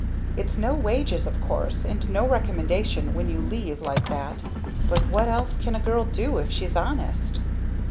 "It's no wages, of course and no recommendation, when you leave like that but what else can a girl do, if she's honest?"